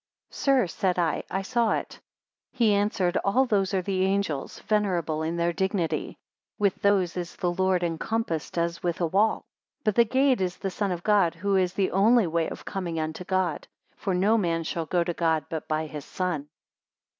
Sir, said I, I saw it. He answered, All those are the angels, venerable in their dignity, 117 With those is the Lord encompassed as with a wall: but the gate is the Son of God, who is the only way of coming unto God. For no man shall go to God, but by his Son.